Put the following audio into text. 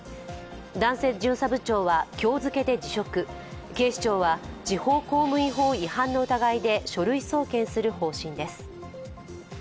男性巡査部長は今日付で辞職、警視庁は地方公務員法違反の疑いで書類送検する方針です。